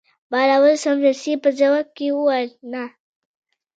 بهلول سمدستي په ځواب کې وویل: نه.